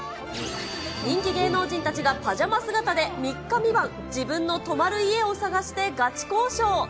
人気芸能人たちがパジャマ姿で３日３晩、自分の泊まる家を探してガチ交渉。